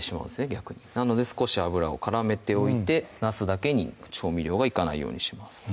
逆になので少し油をからめておいてなすだけに調味料がいかないようにします